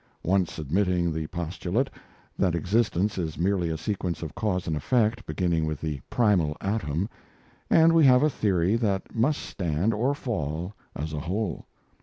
Once admitting the postulate, that existence is merely a sequence of cause and effect beginning with the primal atom, and we have a theory that must stand or fall as a whole.